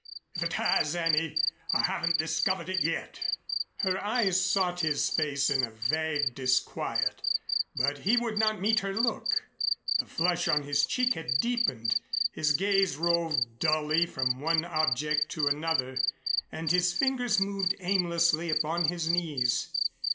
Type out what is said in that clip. If it has any, I haven't discovered it yet." Her eyes sought his face in a vague disquiet, but he would not meet her look. The flush on his cheek had deepened, his gaze roved dully from one object to another and his fingers moved aimlessly upon his knees.